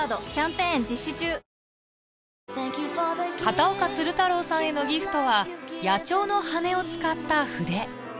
片岡鶴太郎さんへのギフトは野鳥の羽を使った筆